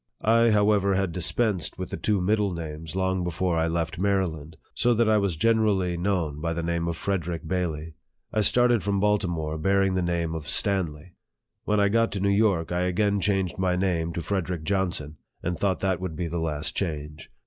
I, however, had dispensed 112 NARRATIVE OF THE with the two middle names long before I left Maryland so that I was generally known by the name of " Fred erick Bailey." I started from Baltimore bearing the name of " Stanley." When I got to New York, I again changed my name to " Frederick Johnson," and thought that would be the last change.